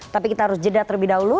tapi kita harus jeda terlebih dahulu